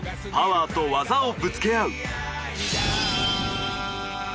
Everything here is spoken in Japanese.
パワーと技をぶつけ合う。